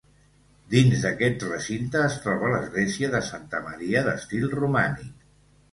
Dins d'aquest recinte es troba l'església de Santa Maria d'estil romànic.